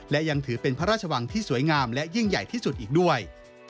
และยังถือเป็นพระราชวังที่สวยงามและยิ่งใหญ่ที่สุดอีกด้วย